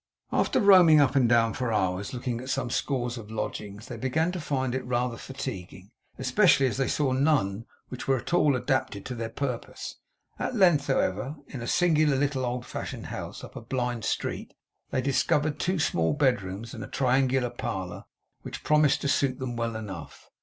After roaming up and down for hours, looking at some scores of lodgings, they began to find it rather fatiguing, especially as they saw none which were at all adapted to their purpose. At length, however, in a singular little old fashioned house, up a blind street, they discovered two small bedrooms and a triangular parlour, which promised to suit them well enough.